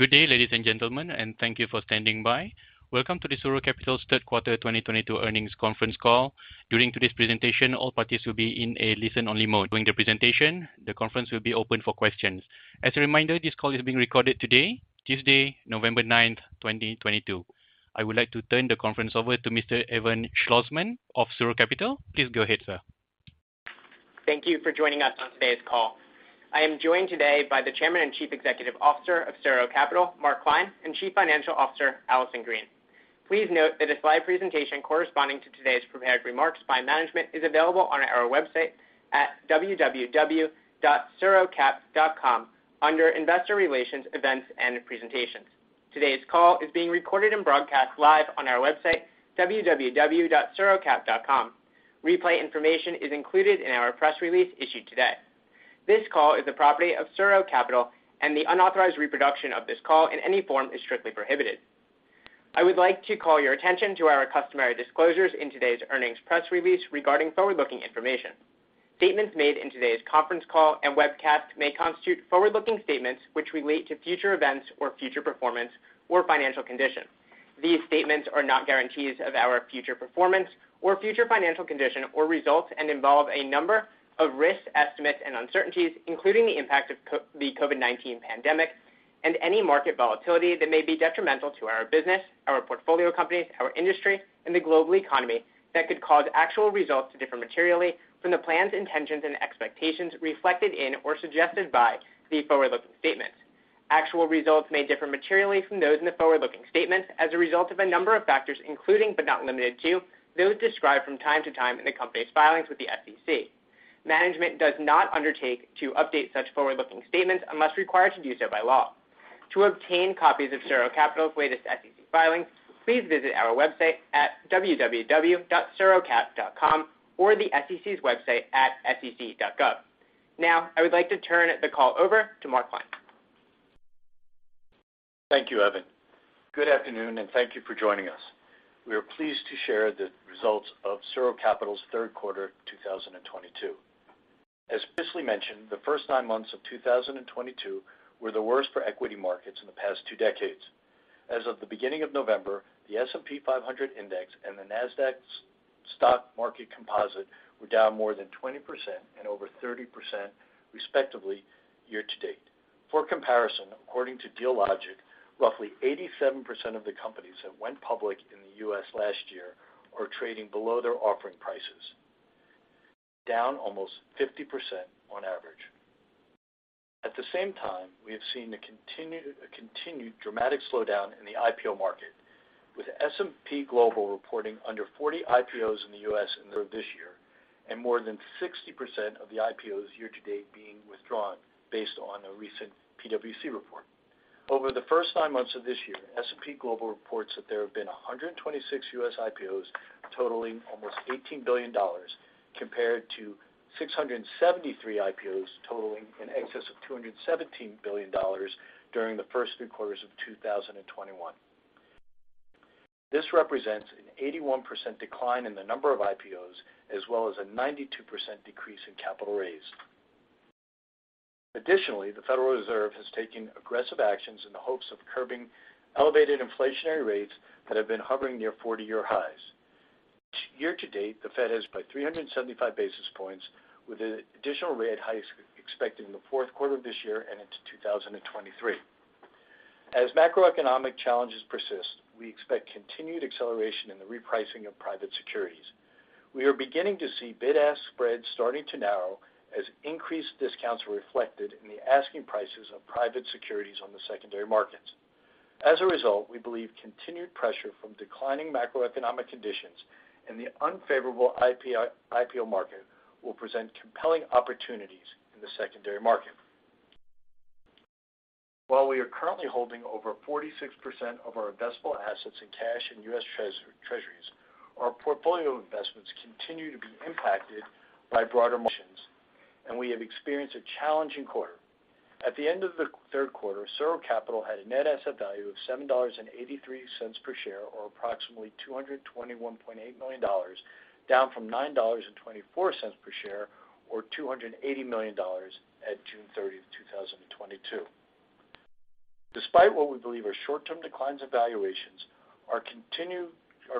Good day, ladies and gentlemen, and thank you for standing by. Welcome to the SuRo Capital's third quarter 2022 earnings conference call. During today's presentation, all parties will be in a listen-only mode. During the presentation, the conference will be open for questions. As a reminder, this call is being recorded today, Tuesday, November 9, 2022. I would like to turn the conference over to Mr. Evan Schlossman of SuRo Capital. Please go ahead, sir. Thank you for joining us on today's call. I am joined today by the Chairman and Chief Executive Officer of SuRo Capital, Mark Klein, and Chief Financial Officer, Allison Green. Please note that a slide presentation corresponding to today's prepared remarks by management is available on our website at www.surocap.com under Investor Relations, Events and Presentations. Today's call is being recorded and broadcast live on our website, www.surocap.com. Replay information is included in our press release issued today. This call is the property of SuRo Capital and the unauthorized reproduction of this call in any form is strictly prohibited. I would like to call your attention to our customary disclosures in today's earnings press release regarding forward-looking information. Statements made in today's conference call and webcast may constitute forward-looking statements which relate to future events or future performance or financial conditions. These statements are not guarantees of our future performance or future financial condition or results and involve a number of risks, estimates, and uncertainties, including the impact of the COVID-19 pandemic and any market volatility that may be detrimental to our business, our portfolio companies, our industry, and the global economy that could cause actual results to differ materially from the plans, intentions, and expectations reflected in or suggested by the forward-looking statements. Actual results may differ materially from those in the forward-looking statements as a result of a number of factors, including, but not limited to, those described from time to time in the company's filings with the SEC. Management does not undertake to update such forward-looking statements unless required to do so by law. To obtain copies of SuRo Capital's latest SEC filings, please visit our website at www.surocap.com or the SEC's website at sec.gov. Now, I would like to turn the call over to Mark Klein. Thank you, Evan. Good afternoon, and thank you for joining us. We are pleased to share the results of SuRo Capital's third quarter 2022. As previously mentioned, the first nine months of 2022 were the worst for equity markets in the past two decades. As of the beginning of November, the S&P 500 Index and the Nasdaq Composite were down more than 20% and over 30%, respectively, year-to-date. For comparison, according to Dealogic, roughly 87% of the companies that went public in the U.S. last year are trading below their offering prices, down almost 50% on average. At the same time, we have seen a continued dramatic slowdown in the IPO market, with S&P Global reporting under 40 IPOs in the U.S. in the third quarter of this year and more than 60% of the IPOs year-to-date being withdrawn based on a recent PwC report. Over the first nine months of this year, S&P Global reports that there have been 126 U.S. IPOs totaling almost $18 billion, compared to 673 IPOs totaling in excess of $217 billion during the first three quarters of 2021. This represents an 81% decline in the number of IPOs as well as a 92% decrease in capital raised. Additionally, the Federal Reserve has taken aggressive actions in the hopes of curbing elevated inflationary rates that have been hovering near 40-year highs. Year-to-date, the Fed has raised rates by 375 basis points, with an additional rate hike expected in the fourth quarter of this year and into 2023. As macroeconomic challenges persist, we expect continued acceleration in the repricing of private securities. We are beginning to see bid-ask spreads starting to narrow as increased discounts are reflected in the asking prices of private securities on the secondary markets. As a result, we believe continued pressure from declining macroeconomic conditions and the unfavorable IPO market will present compelling opportunities in the secondary market. While we are currently holding over 46% of our investable assets in cash in U.S. Treasuries, our portfolio investments continue to be impacted by broader market conditions, and we have experienced a challenging quarter. At the end of the third quarter, SuRo Capital had a net asset value of $7.83 per share, or approximately $221.8 million, down from $9.24 per share, or $280 million at June 30, 2022. Despite what we believe are short-term declines in valuations, our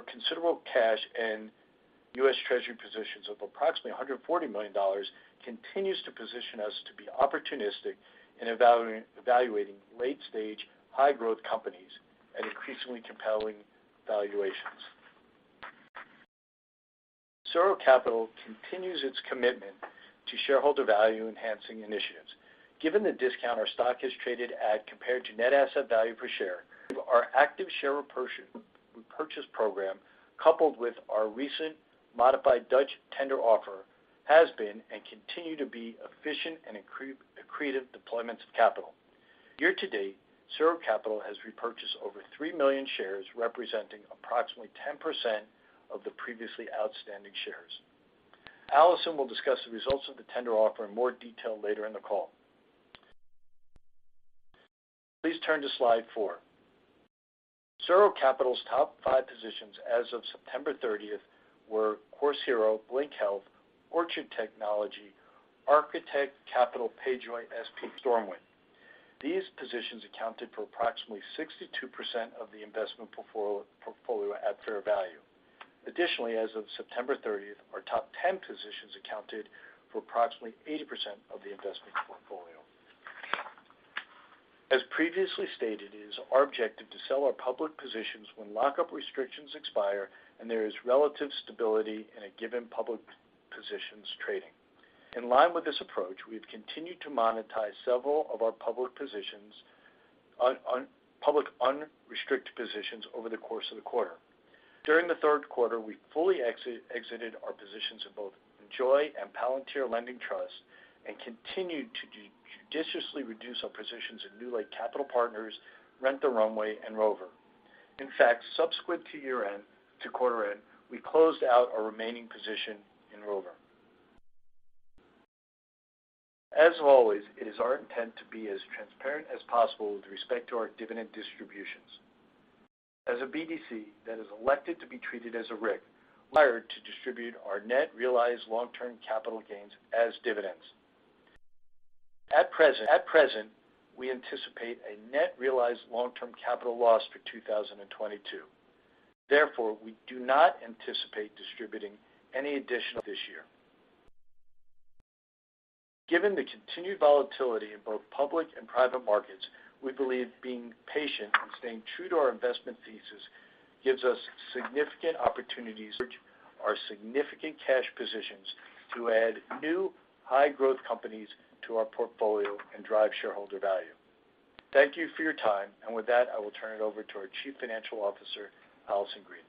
considerable cash and U.S. Treasury positions of approximately $140 million continues to position us to be opportunistic in evaluating late-stage, high-growth companies at increasingly compelling valuations. SuRo Capital continues its commitment to shareholder value-enhancing initiatives. Given the discount our stock has traded at compared to net asset value per share, our active share repurchase program, coupled with our recent modified Dutch tender offer, has been and continue to be efficient and accretive deployments of capital. Year-to-date, SuRo Capital has repurchased over 3 million shares, representing approximately 10% of the previously outstanding shares. Allison will discuss the results of the tender offer in more detail later in the call. Please turn to slide four. SuRo Capital's top five positions as of September 30th were Course Hero, Blink Health, Orchard Technologies, Architect Capital, PayJoy, StormWind. These positions accounted for approximately 62% of the investment portfolio at fair value. Additionally, as of September 30th, our top ten positions accounted for approximately 80% of the investment portfolio. As previously stated, it is our objective to sell our public positions when lockup restrictions expire and there is relative stability in a given public position's trading. In line with this approach, we have continued to monetize several of our public positions public unrestricted positions over the course of the quarter. During the third quarter, we fully exited our positions in both Enjoy Technology and Palantir Lending Trust and continued to judiciously reduce our positions in NewLake Capital Partners, Rent the Runway, and Rover. In fact, subsequent to quarter-end, we closed out our remaining position in Rover. As always, it is our intent to be as transparent as possible with respect to our dividend distributions. As a BDC that has elected to be treated as a RIC, we're required to distribute our net realized long-term capital gains as dividends. At present, we anticipate a net realized long-term capital loss for 2022. Therefore, we do not anticipate distributing any additional dividends this year. Given the continued volatility in both public and private markets, we believe being patient and staying true to our investment thesis gives us significant opportunities to leverage our significant cash positions to add new high-growth companies to our portfolio and drive shareholder value. Thank you for your time. With that, I will turn it over to our Chief Financial Officer, Allison Green.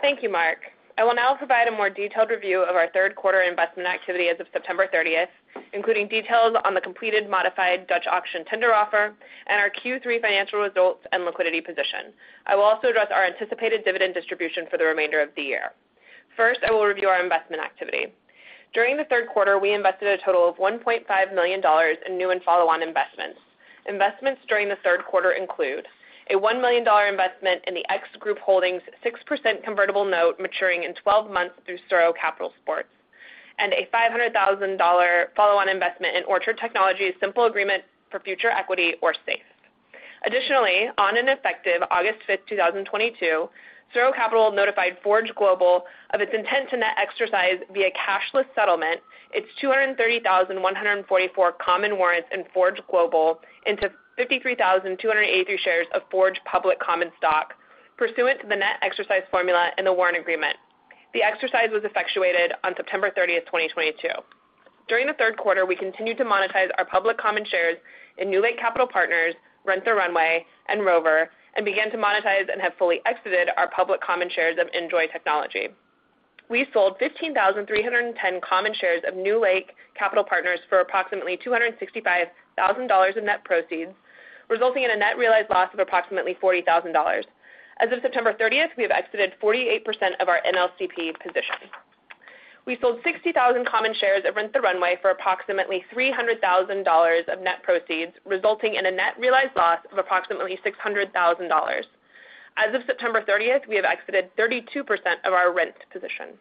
Thank you, Mark. I will now provide a more detailed review of our third quarter investment activity as of September 30th, including details on the completed modified Dutch auction tender offer and our Q3 financial results and liquidity position. I will also address our anticipated dividend distribution for the remainder of the year. First, I will review our investment activity. During the third quarter, we invested a total of $1.5 million in new and follow-on investments. Investments during the third quarter include a $1 million investment in The X-Group Holdings Limited 6% convertible note maturing in 12 months through SuRo Capital Sports, and a $500,000 follow-on investment in Orchard Technologies, Inc.'s simple agreement for future equity, or SAFE. Additionally, on and effective August 5th, 2022, SuRo Capital notified Forge Global of its intent to net exercise via cashless settlement its 230,144 common warrants in Forge Global into 53,283 shares of Forge Global public common stock pursuant to the net exercise formula in the warrant agreement. The exercise was effectuated on September 30th, 2022. During the third quarter, we continued to monetize our public common shares in NewLake Capital Partners, Rent the Runway, and Rover, and began to monetize and have fully exited our public common shares of Enjoy Technology. We sold 15,310 common shares of NewLake Capital Partners for approximately $265,000 in net proceeds, resulting in a net realized loss of approximately $40,000. As of September 30th, we have exited 48% of our NLCP position. We sold 60,000 common shares at Rent the Runway for approximately $300,000 of net proceeds, resulting in a net realized loss of approximately $600,000. As of September 30th, we have exited 32% of our Rent position.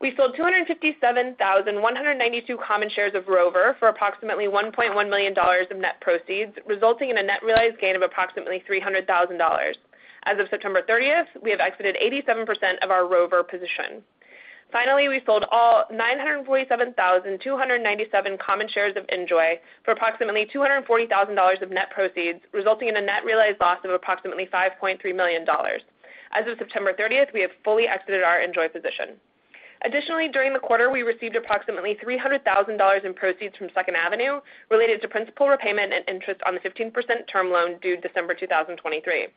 We sold 257,192 common shares of Rover for approximately $1.1 million of net proceeds, resulting in a net realized gain of approximately $300,000. As of September 30th, we have exited 87% of our Rover position. Finally, we sold all 947,297 common shares of Enjoy for approximately $240,000 of net proceeds, resulting in a net realized loss of approximately $5.3 million. As of September 30th, we have fully exited our Enjoy position. Additionally, during the quarter, we received approximately $300,000 in proceeds from Second Avenue related to principal repayment and interest on the 15% term loan due December 2023.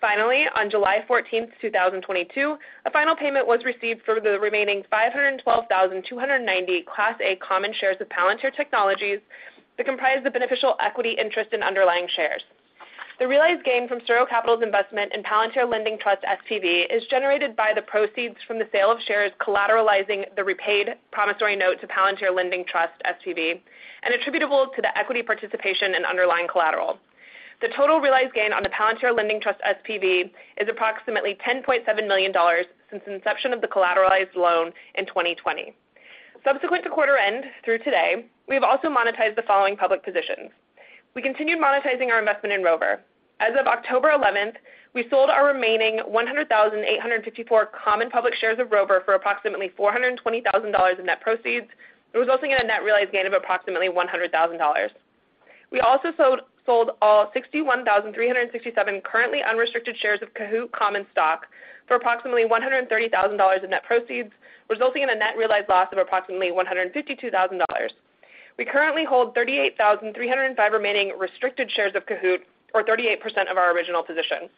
Finally, on July 14, 2022, a final payment was received for the remaining 512,290 Class A common shares of Palantir Technologies that comprise the beneficial equity interest in underlying shares. The realized gain from SuRo Capital's investment in Palantir Lending Trust SPV is generated by the proceeds from the sale of shares collateralizing the repaid promissory note to Palantir Lending Trust SPV and attributable to the equity participation in underlying collateral. The total realized gain on the Palantir Lending Trust SPV is approximately $10.7 million since inception of the collateralized loan in 2020. Subsequent to quarter end through today, we have also monetized the following public positions. We continued monetizing our investment in Rover. As of October 11, we sold our remaining 100,854 common public shares of Rover for approximately $420,000 in net proceeds, resulting in a net realized gain of approximately $100,000. We also sold all 61,367 currently unrestricted shares of Kahoot common stock for approximately $130,000 in net proceeds, resulting in a net realized loss of approximately $152,000. We currently hold 38,305 remaining restricted shares of Kahoot, or 38% of our original position.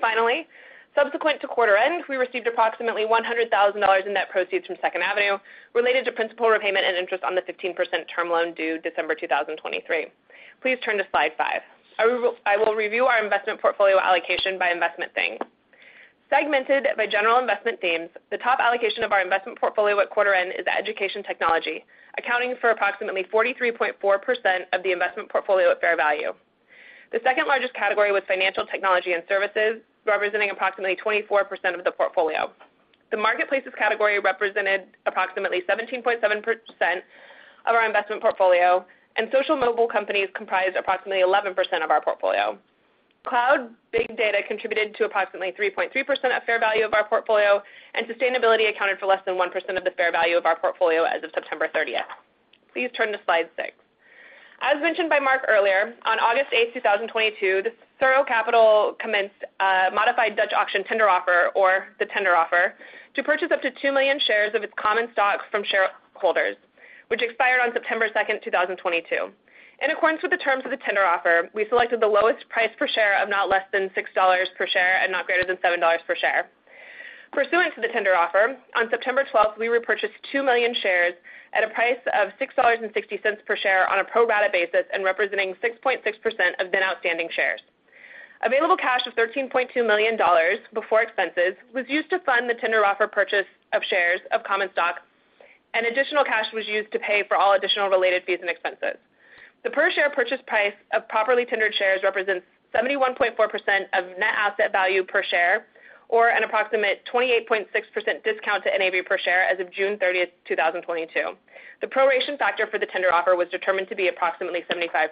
Finally, subsequent to quarter end, we received approximately $100,000 in net proceeds from Second Avenue related to principal repayment and interest on the 15% term loan due December 2023. Please turn to slide five. I will review our investment portfolio allocation by investment theme. Segmented by general investment themes, the top allocation of our investment portfolio at quarter end is education technology, accounting for approximately 43.4% of the investment portfolio at fair value. The second largest category was financial technology and services, representing approximately 24% of the portfolio. The marketplaces category represented approximately 17.7% of our investment portfolio, and social mobile companies comprised approximately 11% of our portfolio. Cloud big data contributed to approximately 3.3% of fair value of our portfolio, and sustainability accounted for less than 1% of the fair value of our portfolio as of September 30th. Please turn to slide six. As mentioned by Mark earlier, on August 8th, 2022, SuRo Capital commenced a modified Dutch auction tender offer, or the tender offer, to purchase up to 2 million shares of its common stock from shareholders, which expired on September 2nd, 2022. In accordance with the terms of the tender offer, we selected the lowest price per share of not less than $6 per share and not greater than $7 per share. Pursuant to the tender offer, on September 12th, we repurchased 2 million shares at a price of $6.60 per share on a pro rata basis and representing 6.6% of then outstanding shares. Available cash of $13.2 million before expenses was used to fund the tender offer purchase of shares of common stock, and additional cash was used to pay for all additional related fees and expenses. The per share purchase price of properly tendered shares represents 71.4% of net asset value per share or an approximate 28.6% discount to NAV per share as of June 30th, 2022. The proration factor for the tender offer was determined to be approximately 75%.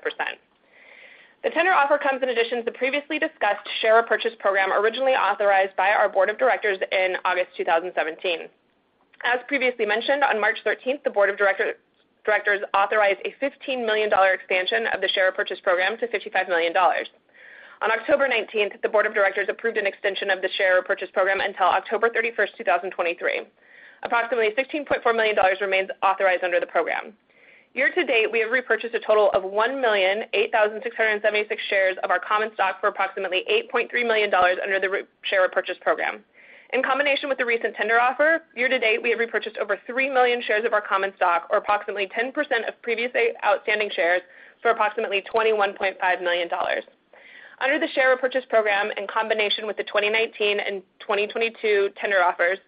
The tender offer comes in addition to the previously discussed share purchase program originally authorized by our board of directors in August 2017. As previously mentioned, on March 13th, the board of directors authorized a $15 million expansion of the share purchase program to $55 million. On October 19th, the board of directors approved an extension of the share purchase program until October 31st, 2023. Approximately $16.4 million remains authorized under the program. Year to date, we have repurchased a total of 1,008,676 shares of our common stock for approximately $8.3 million under the share purchase program. In combination with the recent tender offer, year to date, we have repurchased over 3 million shares of our common stock, or approximately 10% of previously outstanding shares for approximately $21.5 million. Under the share repurchase program, in combination with the 2019 and 2022 tender offers,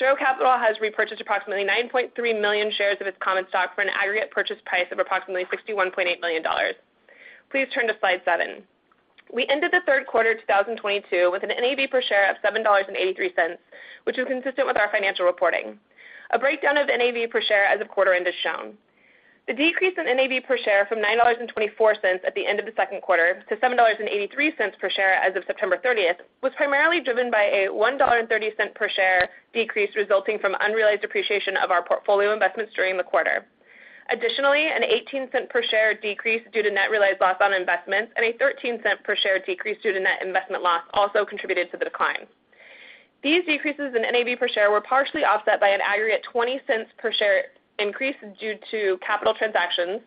SuRo Capital has repurchased approximately 9.3 million shares of its common stock for an aggregate purchase price of approximately $61.8 million. Please turn to slide seven. We ended the third quarter 2022 with an NAV per share of $7.83, which was consistent with our financial reporting. A breakdown of NAV per share as of quarter end is shown. The decrease in NAV per share from $9.24 at the end of the second quarter to $7.83 per share as of September 30th was primarily driven by a $1.30 per share decrease resulting from unrealized depreciation of our portfolio investments during the quarter. Additionally, an $0.18 per share decrease due to net realized loss on investments and a $0.13 per share decrease due to net investment loss also contributed to the decline. These decreases in NAV per share were partially offset by an aggregate $0.20 per share increase due to capital transactions,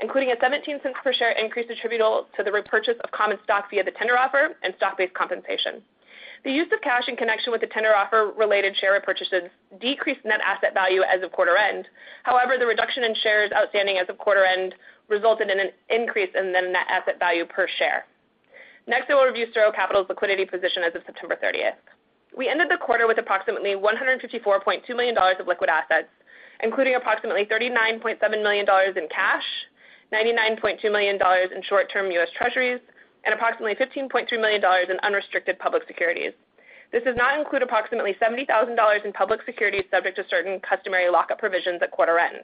including a $0.17 per share increase attributable to the repurchase of common stock via the tender offer and stock-based compensation. The use of cash in connection with the tender offer related share repurchases decreased net asset value as of quarter end. However, the reduction in shares outstanding as of quarter end resulted in an increase in the net asset value per share. Next, I will review SuRo Capital's liquidity position as of September 30th. We ended the quarter with approximately $154.2 million of liquid assets, including approximately $39.7 million in cash, $99.2 million in short-term U.S. Treasuries, and approximately $15.2 million in unrestricted public securities. This does not include approximately $70,000 in public securities subject to certain customary lock-up provisions at quarter end.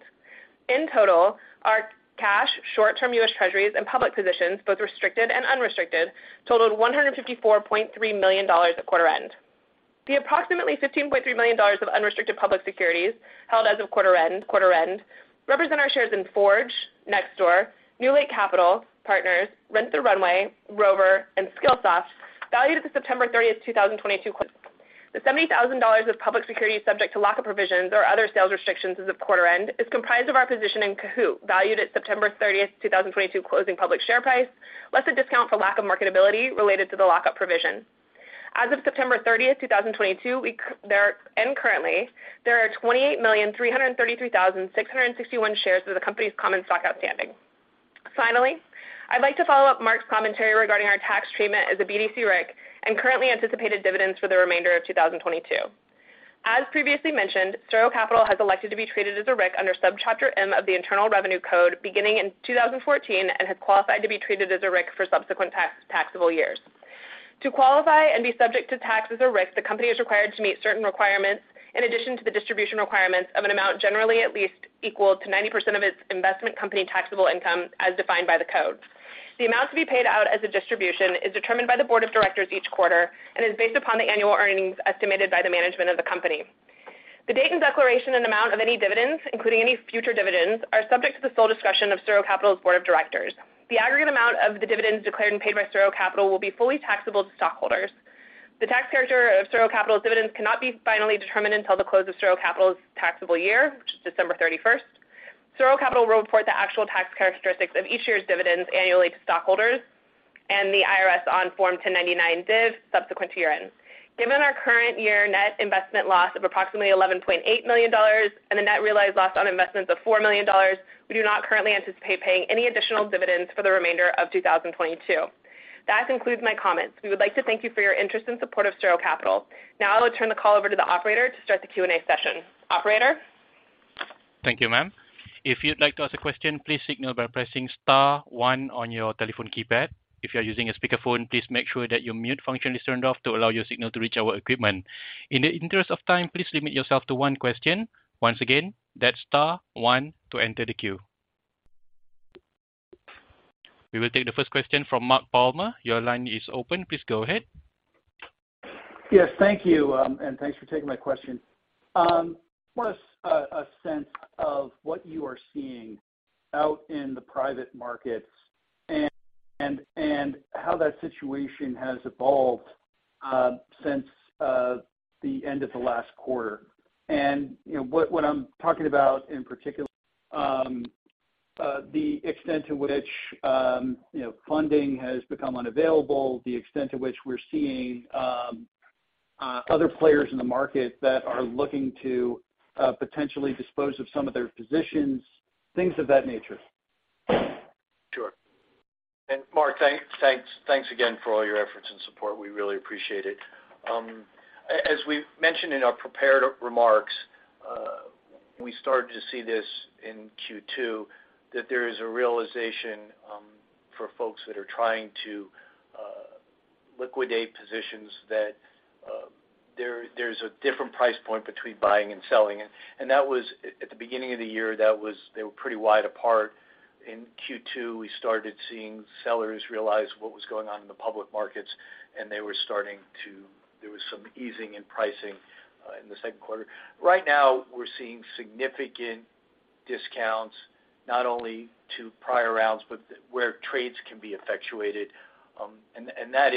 In total, our cash, short-term U.S. Treasuries, and public positions, both restricted and unrestricted, totaled $154.3 million at quarter end. The approximately $15.3 million of unrestricted public securities held as of quarter end represent our shares in Forge, Nextdoor, NewLake Capital Partners, Rent the Runway, Rover, and Skillsoft, valued at the September 30th, 2022. The $70,000 of public securities subject to lock-up provisions or other sales restrictions as of quarter end is comprised of our position in Kahoot, valued at September 30th, 2022 closing public share price, less a discount for lack of marketability related to the lock-up provision. As of September 30th, 2022, and currently, there are 28,333,661 shares of the company's common stock outstanding. Finally, I'd like to follow up Mark's commentary regarding our tax treatment as a BDC RIC and currently anticipated dividends for the remainder of 2022. As previously mentioned, SuRo Capital has elected to be treated as a RIC under Subchapter M of the Internal Revenue Code beginning in 2014 and has qualified to be treated as a RIC for subsequent taxable years. To qualify and be subject to tax as a RIC, the company is required to meet certain requirements in addition to the distribution requirements of an amount generally at least equal to 90% of its investment company taxable income as defined by the code. The amount to be paid out as a distribution is determined by the board of directors each quarter and is based upon the annual earnings estimated by the management of the company. The date and declaration and amount of any dividends, including any future dividends, are subject to the sole discretion of SuRo Capital's board of directors. The aggregate amount of the dividends declared and paid by SuRo Capital will be fully taxable to stockholders. The tax character of SuRo Capital's dividends cannot be finally determined until the close of SuRo Capital's taxable year, which is December 31st. SuRo Capital will report the actual tax characteristics of each year's dividends annually to stockholders and the IRS on Form 1099-DIV subsequent to year-end. Given our current year net investment loss of approximately $11.8 million and the net realized loss on investments of $4 million, we do not currently anticipate paying any additional dividends for the remainder of 2022. That concludes my comments. We would like to thank you for your interest and support of SuRo Capital. Now I will turn the call over to the operator to start the Q and A session. Operator? Thank you, ma'am. If you'd like to ask a question, please signal by pressing star one on your telephone keypad. If you are using a speakerphone, please make sure that your mute function is turned off to allow your signal to reach our equipment. In the interest of time, please limit yourself to one question. Once again, that's star one to enter the queue. We will take the first question from Mark Palmer. Your line is open. Please go ahead. Yes, thank you. Thanks for taking my question. What is a sense of what you are seeing out in the private markets and how that situation has evolved since the end of the last quarter? You know what I'm talking about in particular, the extent to which you know funding has become unavailable, the extent to which we're seeing other players in the market that are looking to potentially dispose of some of their positions, things of that nature. Sure. Mark, thanks again for all your efforts and support. We really appreciate it. As we've mentioned in our prepared remarks, we started to see this in Q2, that there is a realization for folks that are trying to liquidate positions that there's a different price point between buying and selling. That was at the beginning of the year. They were pretty wide apart. In Q2, we started seeing sellers realize what was going on in the public markets. There was some easing in pricing in the second quarter. Right now we're seeing significant discounts not only to prior rounds, but where trades can be effectuated. That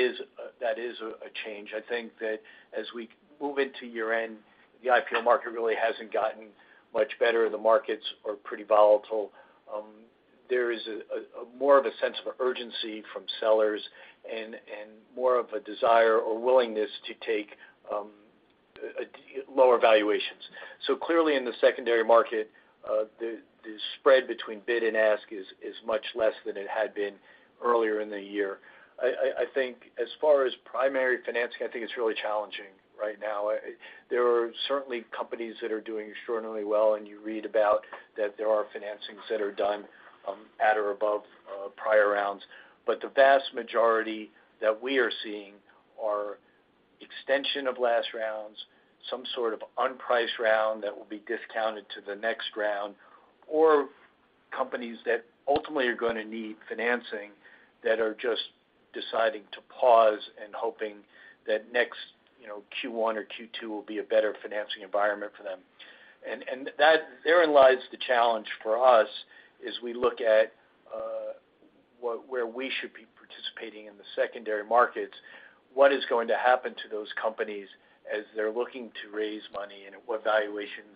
is a change. I think that as we move into year-end, the IPO market really hasn't gotten much better. The markets are pretty volatile. There is a more of a sense of urgency from sellers and more of a desire or willingness to take lower valuations. Clearly in the secondary market, the spread between bid and ask is much less than it had been earlier in the year. I think as far as primary financing, I think it's really challenging right now. There are certainly companies that are doing extraordinarily well, and you read about that. There are financings that are done at or above prior rounds. The vast majority that we are seeing are extension of last rounds, some sort of unpriced round that will be discounted to the next round, or companies that ultimately are gonna need financing that are just deciding to pause and hoping that next, you know, Q1 or Q2 will be a better financing environment for them. That therein lies the challenge for us as we look at where we should be participating in the secondary markets. What is going to happen to those companies as they're looking to raise money, and what valuations,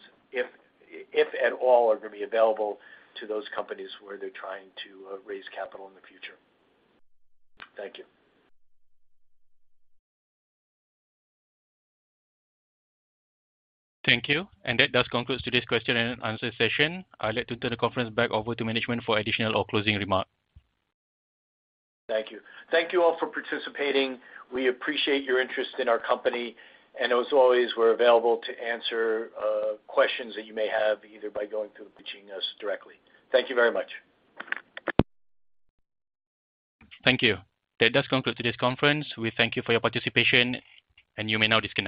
if at all, are gonna be available to those companies where they're trying to raise capital in the future? Thank you. Thank you. That does conclude today's question-and-answer session. I'd like to turn the conference back over to management for additional or closing remarks. Thank you. Thank you all for participating. We appreciate your interest in our company. As always, we're available to answer questions that you may have, either by going through reaching us directly. Thank you very much. Thank you. That does conclude today's conference. We thank you for your participation, and you may now disconnect.